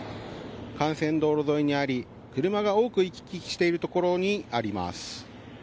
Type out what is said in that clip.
幹線道路沿いにあり、車が多く行き来しているところにあります。